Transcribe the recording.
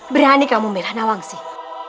berani kamu milih nawang sih